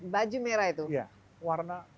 baju merah itu warna